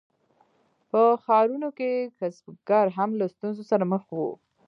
په ښارونو کې کسبګر هم له ستونزو سره مخ وو.